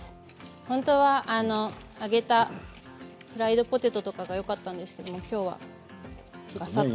本当は揚げたフライドポテトとかがよかったんですけどきょうは、がさっと。